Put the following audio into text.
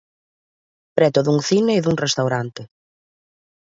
Preto dun cine e dun restaurante.